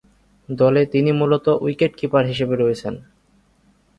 দলে তিনি মূলতঃ উইকেট-কিপার হিসেবে রয়েছেন।